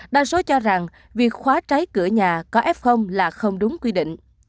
đa số cho rằng việc khóa trái cửa nhà có f là không đúng quy định